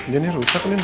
dini rusak dini